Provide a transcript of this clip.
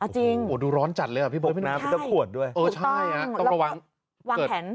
อ๋อจริงโอ้โหดูร้อนจัดเลยอ่ะพี่โบ๊คไม่น่าเป็นต้นขวดด้วยตุ๊กต้องแล้วก็วางแผน